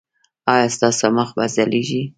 ایا ستاسو مخ به ځلیږي؟